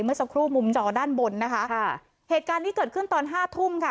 เมื่อสักครู่มุมจอด้านบนนะคะค่ะเหตุการณ์นี้เกิดขึ้นตอนห้าทุ่มค่ะ